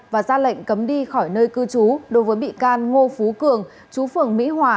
và ra lệnh cấm đi khỏi nơi cư trú đối với bị can ngô phú cường chú phường mỹ hòa